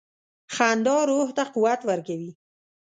• خندا روح ته قوت ورکوي.